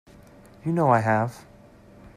You know I have.